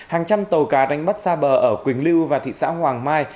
hàng trăm tàu cá đánh bắt xa bờ ở quỳnh lưu và thị xã hoàng mai